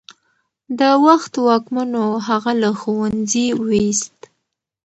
د وخت واکمنو هغه له ښوونځي ویست.